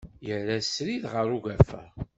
Yerra srid ɣer ugafa.